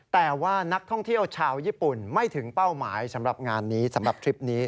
แต่ว่านักท่องเที่ยวชาวญี่ปุ่นไม่ถึงเป้าหมายสำหรับงานนี้สำหรับทริปนี้